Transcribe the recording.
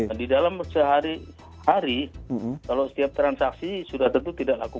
nah di dalam sehari hari kalau setiap transaksi sudah tentu tidak laku